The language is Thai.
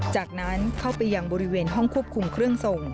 จากนั้นเข้าไปยังบริเวณห้องควบคุมเครื่องส่ง